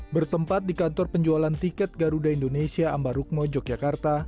bertempat di kantor penjualan tiket garuda indonesia ambarukmo yogyakarta